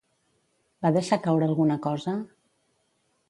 Va deixar caure alguna cosa?